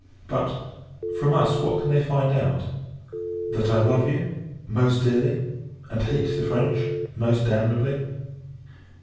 But, from us, what can they find out! That I love you, most dearly; and hate the French, most damnably.